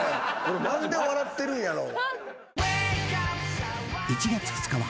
何で笑ってるんやろう？